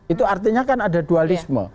itu artinya kan ada dua lisme